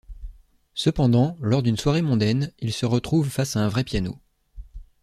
Cependant, lors d'une soirée mondaine, il se retrouve face à un vrai piano...